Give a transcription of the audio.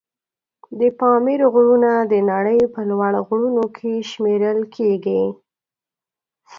د پامیر غرونه د نړۍ په لوړ غرونو کې شمېرل کېږي.